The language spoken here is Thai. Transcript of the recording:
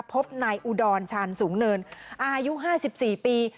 พบนายอุดรชาญสูงเนินอายุ๕๔ปี